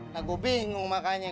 nah gue bingung makanya